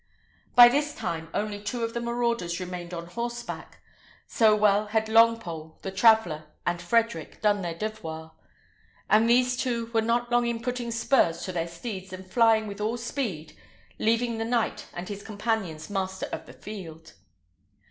By this time only two of the marauders remained on horseback, so well had Longpole, the traveller, and Frederick, done their devoir; and these two were not long in putting spurs to their steeds and flying with all speed, leaving the knight and his companions masters of the field.